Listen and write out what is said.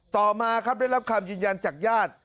ต่อมาครับได้รับคำยืนยันจากญาติ